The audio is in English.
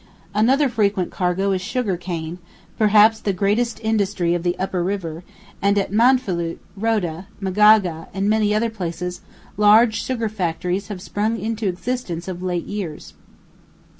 Another frequent cargo is sugar cane, perhaps the greatest industry of the upper river, and at Manfalut, Rhoda, Magaga, and many other places large sugar factories have sprung into existence of late years.